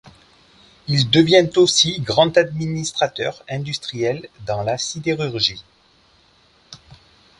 Il devient aussi grand administrateur industriel dans la sidérurgie.